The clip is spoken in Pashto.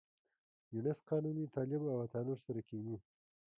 یونس قانوني، طالب او عطا نور سره کېني.